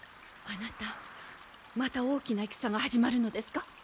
あなたまた大きな戦が始まるのですか？